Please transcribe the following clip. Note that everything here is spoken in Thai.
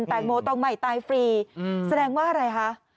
แตงโมต้องใหม่ตายฟรีแสดงว่าอะไรคะ